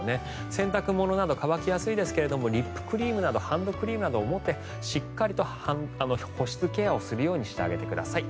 洗濯物など乾きやすいですがリップクリームやハンドクリームなどを持ってしっかりと保湿ケアをするようにしてください。